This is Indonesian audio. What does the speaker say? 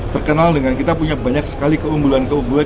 terkenal dengan kita punya banyak sekali keunggulan keunggulan